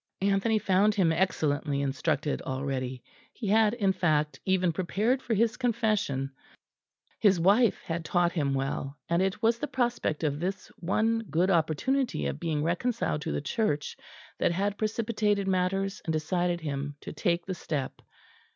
Anthony found him excellently instructed already; he had, in fact, even prepared for his confession; his wife had taught him well; and it was the prospect of this one good opportunity of being reconciled to the Church that had precipitated matters and decided him to take the step.